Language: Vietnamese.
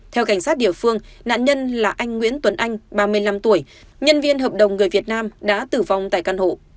theo cảnh sát địa phương nạn nhân là anh nguyễn tuấn anh ba mươi năm tuổi nhân viên hợp đồng người việt nam đã tử vong tại căn hộ